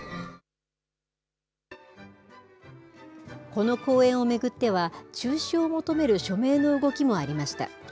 この公演を巡っては、中止を求める署名の動きもありました。